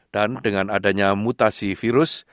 dan dengan adanya mutasi virus